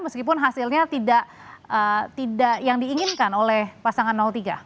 meskipun hasilnya tidak yang diinginkan oleh pasangan tiga